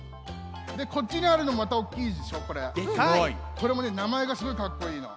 これもねなまえがすごいかっこいいの。